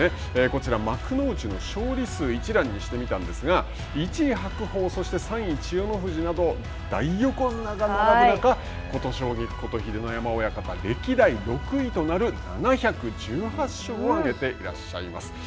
こちら、幕内の勝利数一覧にしてみたんですが１位白鵬そして、３位千代の富士など大横綱が並ぶ中琴奨菊こと秀ノ山親方歴代６位となる７１８勝を挙げていらっしゃいます。